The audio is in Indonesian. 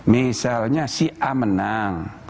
misalnya si a menang